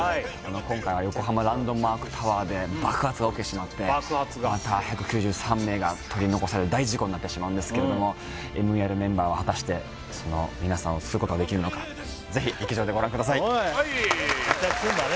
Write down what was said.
今回は横浜ランドマークタワーで爆発が起きてしまってまた１９３名が取り残される大事故になってしまうんですけれどもＭＥＲメンバーは果たしてその皆さんを救うことができるのかぜひ劇場でご覧ください活躍するんだね